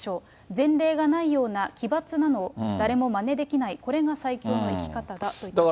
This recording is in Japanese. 前例がないような奇抜なのを誰もまねできない、これが最強の生き方だという歌詞です。